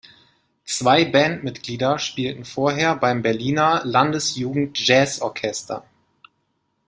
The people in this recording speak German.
Zwei Bandmitglieder spielten vorher beim Berliner Landesjugendjazzorchester.